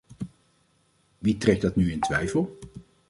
Wie trekt dat nu in twijfel?